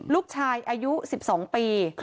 ลูกชายอายุ๑๒ปี